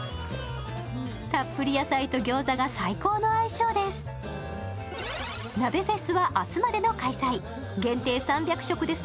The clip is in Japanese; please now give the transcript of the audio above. たっぷり野菜とギョーザが最高の相性です。